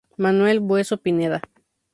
Manuel Bueso Pineda.